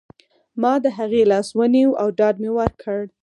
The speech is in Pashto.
ما د هغې لاس ونیو او ډاډ مې ورکړ